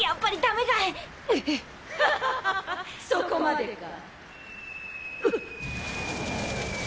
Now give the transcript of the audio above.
そこまでか。